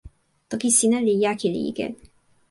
toki sina li jaki li ike.